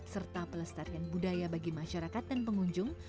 serta pelestarian budaya bagi masyarakat dan pengunjung